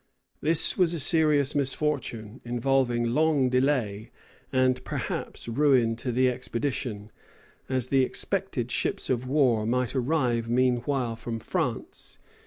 This was a serious misfortune, involving long delay, and perhaps ruin to the expedition, as the expected ships of war might arrive meanwhile from France.